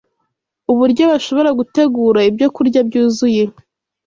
uburyo bashobora gutegura Ibyokurya byuzuye